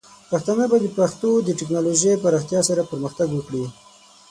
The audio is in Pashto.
پښتانه به د پښتو د ټیکنالوجۍ پراختیا سره پرمختګ وکړي.